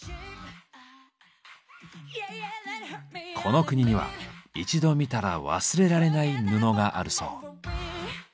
この国には一度見たら忘れられない布があるそう。